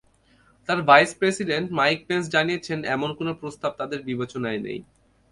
তাঁর vice president Mike Pence জানিয়েছেন, এমন কোনো প্রস্তাব তাঁদের বিবেচনায় নেই।